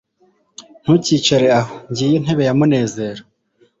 ntukicare aho. ngiyo intebe ya munezero